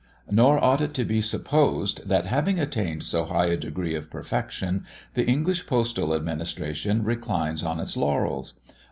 Nor ought it to be supposed, that, having attained so high a degree of perfection, the English postal administration reclines on its laurels.